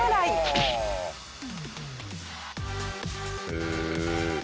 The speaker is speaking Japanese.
へえ。